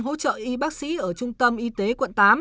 hỗ trợ y bác sĩ ở trung tâm y tế quận tám